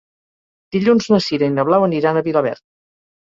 Dilluns na Sira i na Blau aniran a Vilaverd.